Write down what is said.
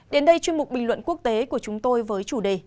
đến đây chuyên mục bình luận quốc tế của chúng tôi với chủ đề